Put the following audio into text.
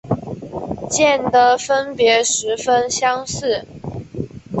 间的分别十分相似。